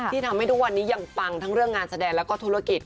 ที่ทำให้ทุกวันนี้ยังปังทั้งเรื่องงานแสดงแล้วก็ธุรกิจ